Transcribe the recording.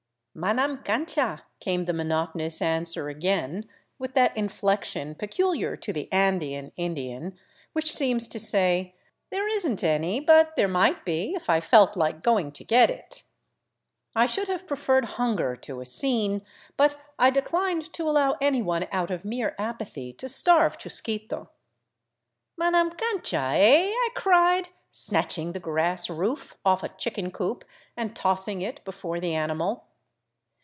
" Manam cancha," came the monotonous answer again, with that in flection peculiar to the Andean Indian, which seems to say, '' There isn't any; but there might be if I felt like going to get it." I should have preferred hunger to a scene, but I declined to allow anyone out of mere apathy to starve Chusquito. "Manam cancha, eh?" I cried, snatching the grass roof off a chicken coop and tossing it before the animal.